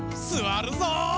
すわるぞう！